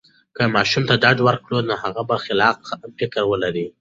که ماشوم ته ډاډ ورکړو، نو هغه به خلاقه فکر ولري.